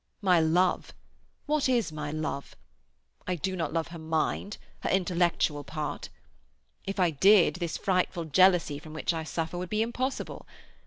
My love—what is my love? I do not love her mind, her intellectual part. If I did, this frightful jealousy from which I suffer would be impossible.